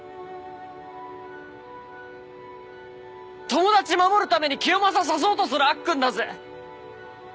友達守るためにキヨマサ刺そうとするアッくんだぜ？